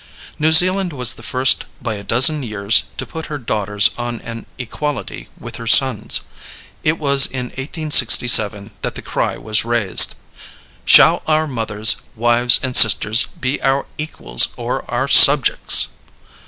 New Zealand was the first by a dozen years to put her daughters on an equality with her sons. It was in 1867 that the cry was raised. "Shall our mothers, wives, and sisters be our equals or our subjects?"